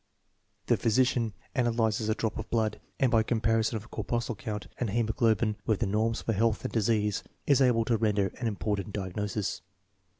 The physician analyzes a drop of blood and, by comparison of corpuscle count and haemo globin with the norms for health and disease, is able to render an important diagnosis.